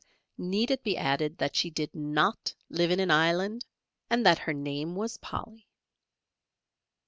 Need it be added that she did not live in an island and that her name was "Polly."